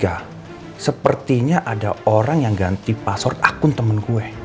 gue tuh curiga sepertinya ada orang yang ganti password akun temen gue